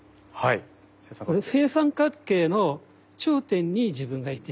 正三角形の頂点に自分がいて。